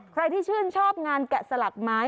ใครที่ชื่นชอบงานแกะสลักไม้